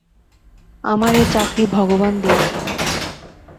আমার এ চাকরি ভগবান দিয়াছেন।